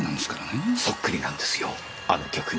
そっくりなんですよあの曲に。